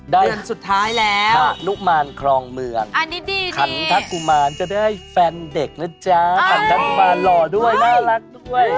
เดือนสุดท้ายแล้วพระนุมานครองเมืองขันทักกุมารจะได้แฟนเด็กนะจ๊ะขันทักกุมารหล่อด้วยน่ารักด้วย